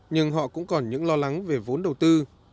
nhưng họ cũng còn những lo lắng về vốn đầu tư